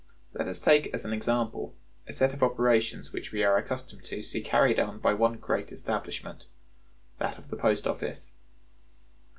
Let us take as an example a set of operations which we are accustomed to see carried on by one great establishment, that of the Post Office.